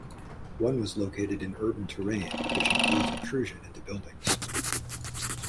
One was located in urban terrain which includes intrusion into buildings.